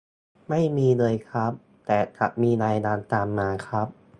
ไม่มีเลยครับ แต่จะมีรายงานตามมาครับ